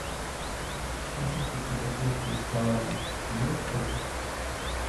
არბოშიკის ეკლესიის გალავნის ჩრდილოეთ კედელთან.